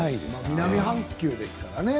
南半球ですからね。